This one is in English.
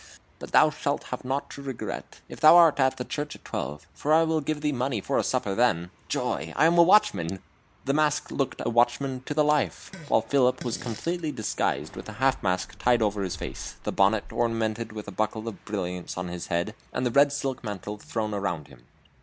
But thou shalt have naught to regret, if thou art at the church at twelve, for I will give thee money for a supper then. Joy! I am a watchman!" The mask looked a watchman to the life, while Philip was completely disguised with the half mask tied over his face, the bonnet ornamented with a buckle of brilliants on his head, and the red silk mantle thrown around him.